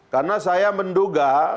karena saya menduga